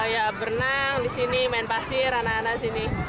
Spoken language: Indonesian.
ya berenang di sini main pasir anak anak sini